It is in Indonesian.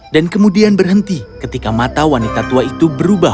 dan kemudian berhenti ketika mata wanita tua itu berubah warna